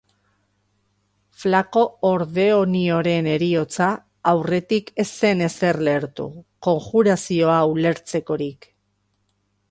Flako Hordeonioren heriotza aurretik ez zen ezer lehertu, konjurazioa ulertzekorik.